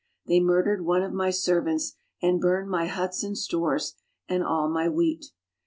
They murdered one of my servants and burned my huts and stores, and all my wheat.